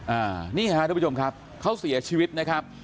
อ่านี่ฮะทุกผู้ชมครับเขาเสียชีวิตนะครับ